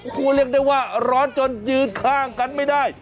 โอ้โหเรียกได้ว่าร้อนจนยืนข้างกันไม่ได้